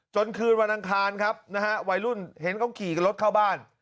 คืนวันอังคารครับนะฮะวัยรุ่นเห็นเขาขี่กับรถเข้าบ้าน